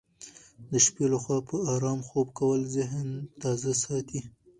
د شپې لخوا په ارامه خوب کول ذهن تازه ساتي.